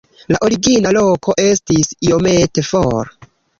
La origina loko estis iomete for.